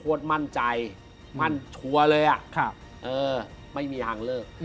มั่นใจมั่นชัวร์เลยไม่มีทางเลิก